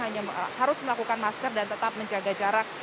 hanya harus melakukan masker dan tetap menjaga jarak